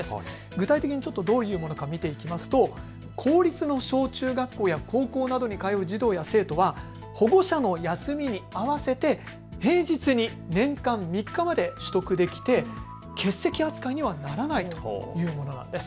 具体的にちょっとどういうものか見ていきますと公立の小中学校や高校などに通う児童や生徒は保護者の休みにあわせて平日に年間３日まで取得できて欠席扱いにはならないというものなんです。